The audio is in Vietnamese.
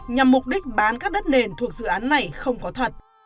nhằm mục đích bán các đất nền thuộc dự án này không có thật